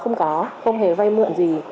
không có không hề vai mượn gì